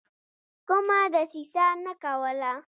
کومه دسیسه نه کوله.